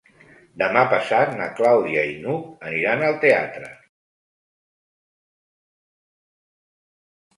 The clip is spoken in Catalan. Demà passat na Clàudia i n'Hug aniran al teatre.